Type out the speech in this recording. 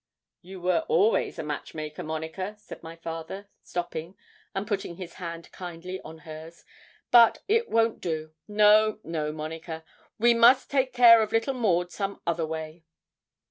'You were always a match maker, Monica,' said my father, stopping, and putting his hand kindly on hers. 'But it won't do. No, no, Monica; we must take care of little Maud some other way.'